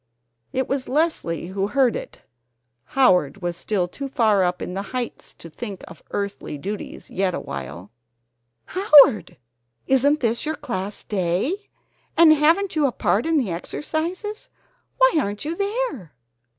It was Leslie who heard it. Howard was still too far upon the heights to think of earthly duties yet awhile. "Howard! Isn't this your Class Day? And haven't you a part in the exercises? Why aren't you there?"